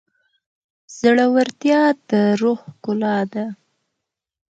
زړورتیا د روح ښکلا ده.